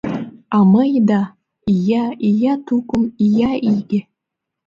А мый — да, ия, ия тукым, ия иге!